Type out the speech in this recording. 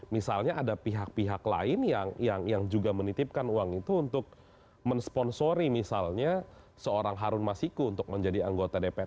misalnya ada pihak pihak lain yang juga menitipkan uang itu untuk mensponsori misalnya seorang harun masiku untuk menjadi anggota dpr